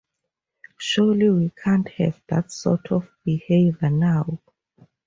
Surely we can't have that sort of behaviour now?